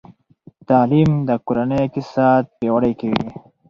تعلیم د کورنۍ اقتصاد پیاوړی کوي.